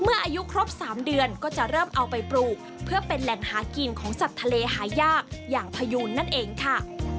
อายุครบ๓เดือนก็จะเริ่มเอาไปปลูกเพื่อเป็นแหล่งหากินของสัตว์ทะเลหายากอย่างพยูนนั่นเองค่ะ